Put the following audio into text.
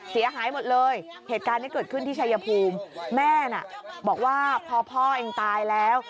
เสียหายหมดเลยเหตุการณ์นี้เกิดขึ้นที่ชายภูมิแม่น่ะบอกว่าพอพ่อเองตายแล้ว